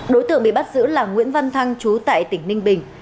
đối tượng bị bắt giữ là nguyễn văn thăng chú tại tỉnh ninh bình